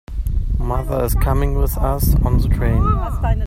Mother is coming with us on the train.